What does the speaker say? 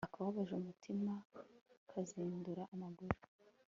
akababaje umutima kazindura amaguru